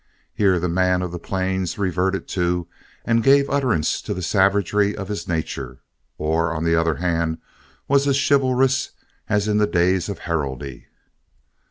Here the man of the plains reverted to and gave utterance to the savagery of his nature, or, on the other hand, was as chivalrous as in the days of heraldry.